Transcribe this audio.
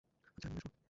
আচ্ছা, নিয়ে আসব।